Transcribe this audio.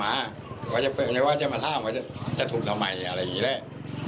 หาหาว่าจะเปิดว่ามีก็หาบทนผ้าว่าจะถูบทำไมอ่ะอะไรอย่างงี้แหละ